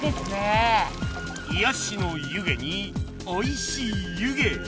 癒やしの湯気においしい湯気